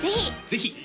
ぜひ！